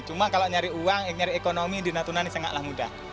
cuma kalau nyari uang nyari ekonomi di natuna ini sangatlah mudah